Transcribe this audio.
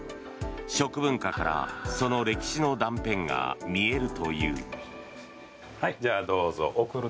食文化からその歴史の断片が見えるという。